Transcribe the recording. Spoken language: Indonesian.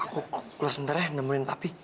aku keluar sebentar ya nomborin papi